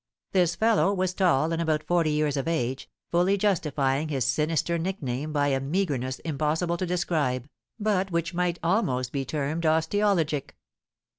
This fellow was tall and about forty years of age, fully justifying his sinister nickname by a meagreness impossible to describe, but which might almost be termed osteologic.